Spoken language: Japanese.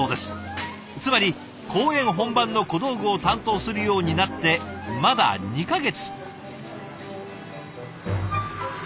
つまり公演本番の小道具を担当するようになってまだ２か月。